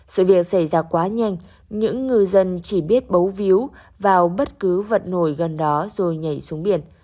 sự việc xảy ra quá nhanh những ngư dân chỉ biết bấu víu vào bất cứ vật nổi gần đó rồi nhảy xuống biển